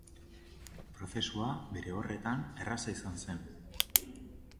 Prozesua, bere horretan, erraza izan zen.